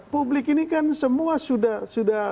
publik ini kan semua sudah